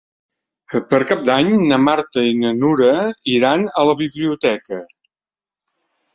Per Cap d'Any na Marta i na Nura iran a la biblioteca.